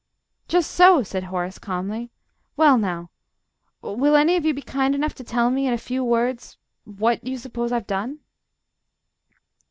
"Just so," said Horace, calmly. "Well, now, will any of you be kind enough to tell me, in a few words, what you suppose I've done?"